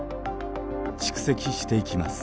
蓄積していきます。